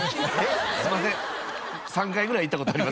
すいません。